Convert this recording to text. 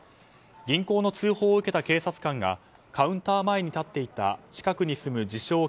銀行の通報を受けた警察官がカウンター前に立っていた近くに住む自称